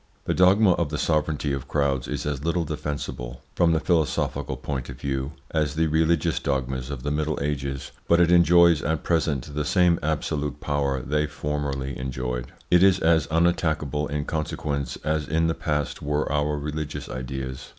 The dogma of the sovereignty of crowds is as little defensible, from the philosophical point of view, as the religious dogmas of the Middle Ages, but it enjoys at present the same absolute power they formerly enjoyed. It is as unattackable in consequence as in the past were our religious ideas.